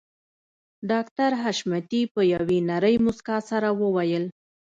ډاکټر حشمتي په يوې نرۍ مسکا سره وويل